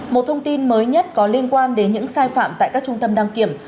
một thông tin mới nhất có liên quan đến những sai phạm tại các trung tâm đăng kiểm